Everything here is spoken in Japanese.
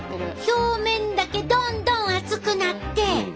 表面だけどんどん熱くなって。